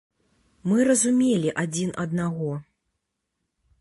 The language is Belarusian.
Мы разумелі адзін аднаго.